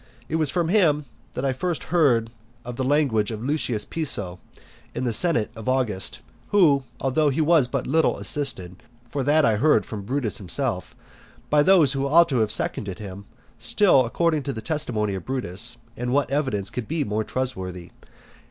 And it was from him that I first heard what had been the language of Lucius Piso, in the senate of August; who, although he was but little assisted (for that I heard from Brutus himself) by those who ought to have seconded him, still according to the testimony of Brutus, (and what evidence can be more trustworthy?)